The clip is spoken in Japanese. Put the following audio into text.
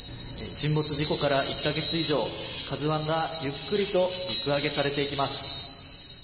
沈没事故から１カ月以上、「ＫＡＺＵⅠ」がゆっくりと陸揚げされていきます。